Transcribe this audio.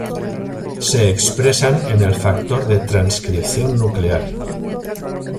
Se expresan en el factor de transcripción nuclear.